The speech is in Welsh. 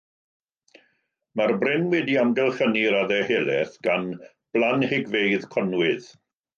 Mae'r bryn wedi'i amgylchynu i raddau helaeth gan blanhigfeydd conwydd.